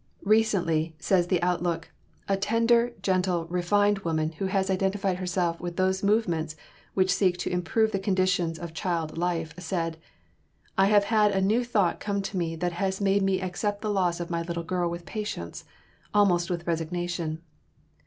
"Recently," says the Outlook, "a tender, gentle, refined woman who has identified herself with those movements which seek to improve the conditions of child life, said, 'I have had a new thought come to me that has made me accept the loss of my little girl with patience, almost with resignation.